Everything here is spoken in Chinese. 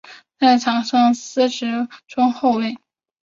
在场上司职中后卫。